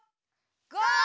ゴー！